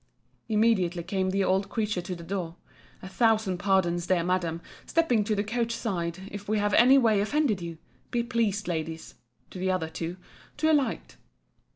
Immediately came the old creature to the door. A thousand pardons, dear Madam, stepping to the coach side, if we have any way offended you—Be pleased, Ladies, [to the other two] to alight.